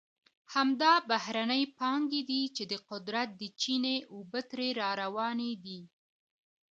همدا بهرنۍ پانګې دي چې د قدرت د چینې اوبه ترې را روانې دي.